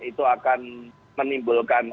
itu akan menimbulkan